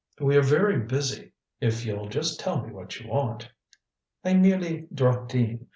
"We are very busy. If you'll just tell me what you want " "I merely dropped in.